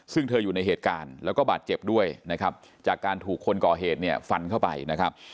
ซึ่งเธออยู่ในเหตุการณ์แล้วก็บาดเจ็บด้วยนะครับจากการถูกคนก่อเหตุเนี่ยฟันเข้าไปนะครับ